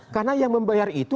karena yang membayar itu